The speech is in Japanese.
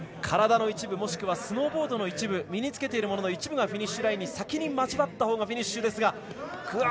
体の一部もしくはスノーボードの一部身につけているものの一部がフィニッシュラインに先に交わったほうがフィニッシュですが。